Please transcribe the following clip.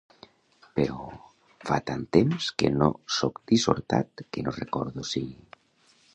Però fa tant temps que no sóc dissortat que no recordo si…